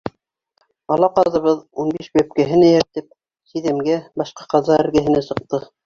Ала ҡаҙыбыҙ, ун биш бәпкәһен эйәртеп, сиҙәмгә, башҡа ҡаҙҙар эргәһенә сыҡты.